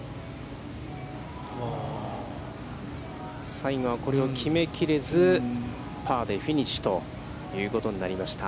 最後はこれを決めきれず、パーでフィニッシュということになりました。